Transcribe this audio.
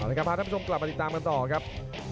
พาท่านผู้ชมกลับมาติดตามกันต่อครับ